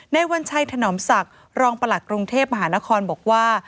วัญชัยถนอมศักดิ์รองประหลัดกรุงเทพมหานครบอกว่า